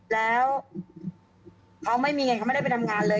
แล้วเขาไม่มีเงินเขาไม่ได้ไปทำงานเลย